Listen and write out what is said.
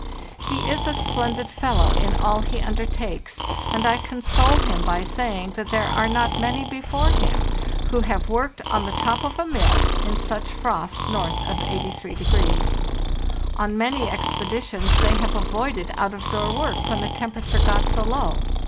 He is a splendid fellow in all he undertakes, and I console him by saying that there are not many before him who have worked on the top of a mill in such frost north of 83°. On many ex peditions they have avoided out of door work when the temperature got so low.